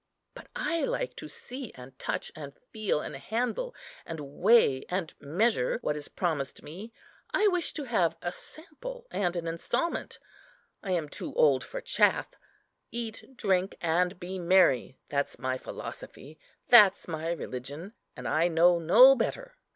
But I like to see, and touch, and feel, and handle, and weigh, and measure what is promised me. I wish to have a sample and an instalment. I am too old for chaff. Eat, drink, and be merry, that's my philosophy, that's my religion; and I know no better.